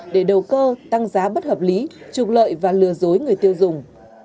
để đầu cơ tăng giá bất hợp lý trục lợi và lừa dối người tiêu dùng